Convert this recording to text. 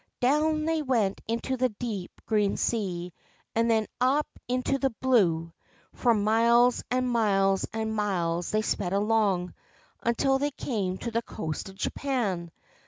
Down they went into the deep, green sea, and then up into the blue. For miles and miles and miles they sped along, until they came to the coast of Japan.